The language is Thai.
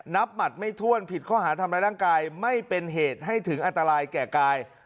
หมัดไม่ถ้วนผิดข้อหาทำร้ายร่างกายไม่เป็นเหตุให้ถึงอันตรายแก่กาย